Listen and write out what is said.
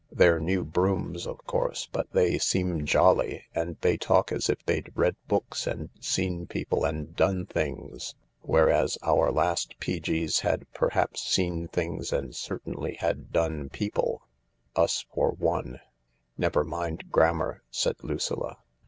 " They're new brooms, of course, but they seem jolly, and they talk as if they'd read books and seen people and done things." " Whereas our last P.G.'s had perhaps seen things and certainly had done people — us for one." "Never mind grammar," said Lucilla.